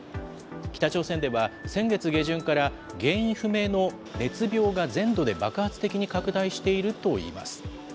北朝鮮では先月下旬から、原因不明の熱病が全土で爆発的に拡大しているといいます。